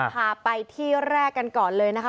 พาไปที่แรกกันก่อนเลยนะคะ